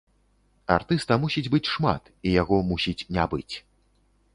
Артыста мусіць быць шмат, і яго мусіць не быць.